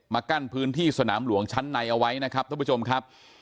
กั้นพื้นที่สนามหลวงชั้นในเอาไว้นะครับท่านผู้ชมครับ